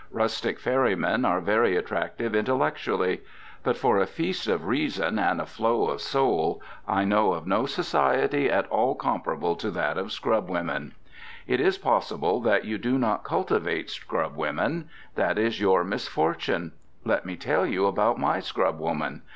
Rustic ferry men are very attractive intellectually. But for a feast of reason and a flow of soul I know of no society at all comparable to that of scrubwomen. It is possible that you do not cultivate scrubwomen. That is your misfortune. Let me tell you about my scrubwoman.